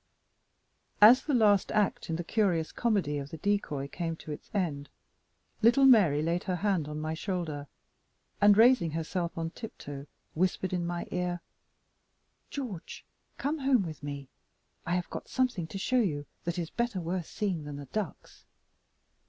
As the last act in the curious comedy of the decoy came to its end, little Mary laid her hand on my shoulder, and, raising herself on tiptoe, whispered in my ear: "George, come home with me. I have got something to show you that is better worth seeing than the ducks."